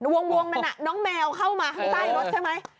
วงนั้นน้องแมวเข้ามาข้างใต้รถใช่ไหม